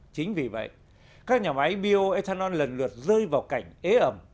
chính vì vậy các nhà máy bioethanol lần lượt rơi vào cảnh ế ẩm